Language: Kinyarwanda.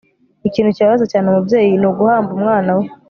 ikintu kibabaza cyane umubyeyi ni uguhamba umwana we